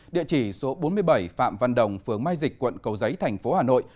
địa chỉ số bốn mươi bảy phạm văn đồng phường mai dịch quận cầu giấy thành phố hà nội